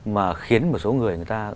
mà khiến một số người người ta